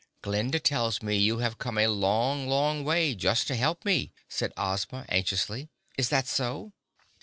"Glinda tells me you have come a long, long way just to help me," said Ozma anxiously. "Is that so?"